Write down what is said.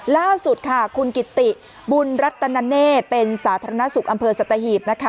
ล่าสุดค่ะคุณกิติบุญรัตนเนธเป็นสาธารณสุขอำเภอสัตหีบนะคะ